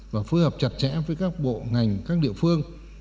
và phối hợp chặt chẽ với các bộ ngành các địa phương